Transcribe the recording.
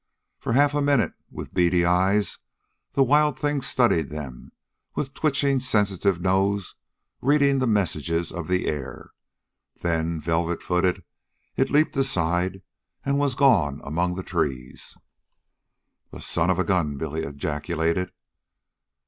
For half a minute, with beady eyes, the wild thing studied them, with twitching sensitive nose reading the messages of the air. Then, velvet footed, it leapt aside and was gone among the trees. "The son of a gun!" Billy ejaculated.